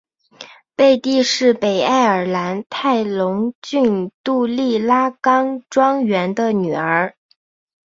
贝蒂是北爱尔兰泰隆郡杜利拉冈庄园的女儿。